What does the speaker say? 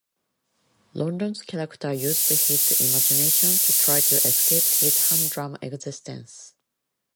London's character used his imagination to try to escape his humdrum existence.